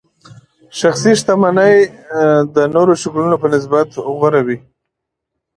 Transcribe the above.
شخصي شتمنۍ نورو شکلونو نسبت غوره وي.